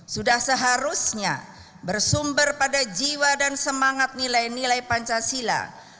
sudah seharusnya bersumber pada jiwa dan semangat nilai nilai pancasila